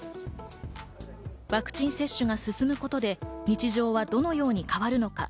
ワクチン接種が進むことで日常はどのように変わるのか？